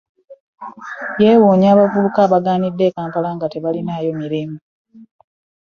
Yeewuunya abavubuka abagaanidde e Kampala nga tebalinaayo mirimu.